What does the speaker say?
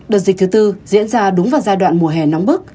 đợt dịch thứ tư diễn ra đúng vào giai đoạn mùa hè nóng bức